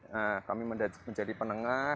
nah kami menjadi penengah